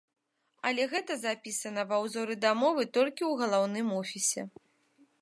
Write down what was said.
Але гэта запісана ва ўзоры дамовы толькі ў галаўным офісе.